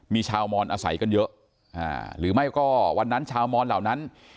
มีชาวมอนอาศัยกันเยอะหรือไม่ก็วันนั้นชาวมอนเหล่านั้น